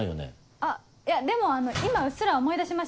あっいやでも今うっすら思い出しました。